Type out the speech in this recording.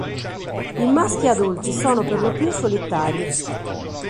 I maschi adulti sono per lo più solitari.